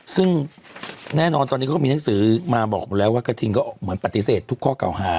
ซึ่งแน่นอนตอนนี้เขาก็มีหนังสือมาบอกอยู่แล้วว่ากระทิงก็ออกเหมือนปฏิเสธทุกข้อเก่าหา